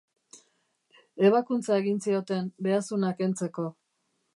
Ebakuntza egin zioten behazuna kentzeko.